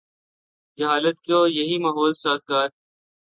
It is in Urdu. جہالت کو یہی ماحول سازگار ہے۔